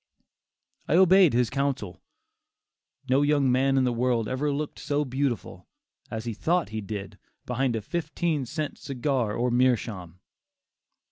I obeyed his counsel. No young man in the world ever looked so beautiful, as he thought he did, behind a fifteen cent cigar or a meerschaum!